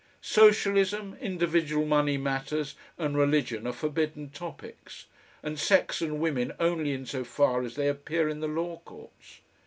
Socialism, individual money matters, and religion are forbidden topics, and sex and women only in so far as they appear in the law courts.